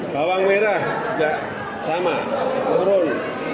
bawang merah juga sama turun